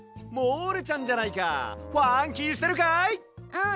うん。